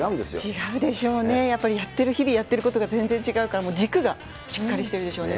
違うでしょうね、やっぱりやってる、日々、やってることが全然違うから、もう軸がしっかりしてるでしょうね。